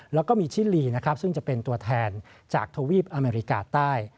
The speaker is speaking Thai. แล้วก็มีชิลีนะครับซึ่งจะเป็นตัวแทนจากทวีปอเมริกาใต้